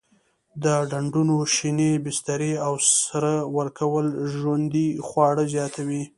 د ډنډونو شینې بسترې او سره ورکول ژوندي خواړه زیاتوي.